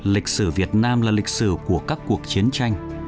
lịch sử việt nam là lịch sử của các cuộc chiến tranh